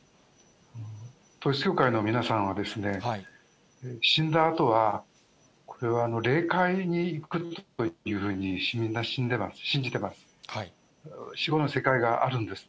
統一教会の皆さんは、死んだあとは、これは霊界に行くというふうにみんな信じてます。